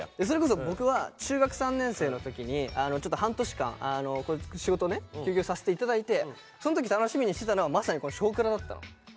それこそ僕は中学３年生の時にちょっと半年間仕事ね休業させて頂いてその時楽しみにしてたのがまさにこの「少クラ」だったの。